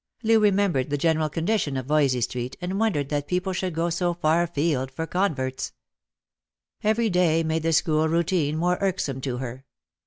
Loo remembered the general condition of Voysey street, and wondered that people should go so far afield for converts. Every day made the school routine more irksome to her.